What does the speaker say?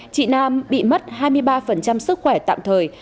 chị nam bị mất hai mươi ba sức khỏe tạm thời